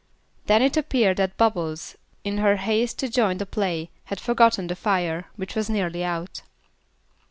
Then it appeared that Bubbles, in her haste to join the play, had forgotten the fire, which was nearly out.